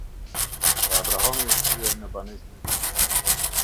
Dhe Abrahami u kthye në banesën e tij.